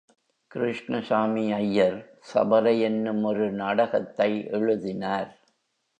கிருஷ்ணசாமி ஐயர் சபலை என்னும் ஒரு நாடகத்தை எழுதினார்.